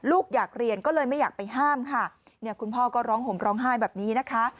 ลูกอยากเรียนก็เลยไม่อยากไปห้ามค่ะเนี่ยคุณพ่อก็ร้องห่มร้องไห้แบบนี้นะคะ